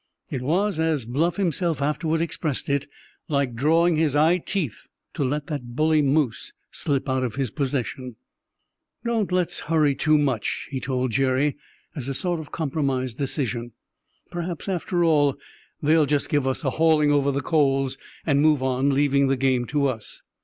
It was, as Bluff himself afterward expressed it, "like drawing his eyeteeth to let that bully moose slip out of his possession." "Don't let's hurry too much," he told Jerry, as a sort of compromise decision. "Perhaps, after all, they'll just give us a hauling over the coals, and move on, leaving the game to us."